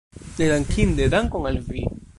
Nedankinde, dankon al vi!